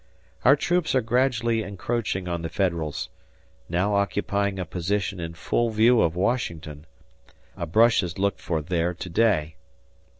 ... Our troops are gradually encroaching on the Federals, now occupying a position in full view of Washington, a brush is looked for there to day.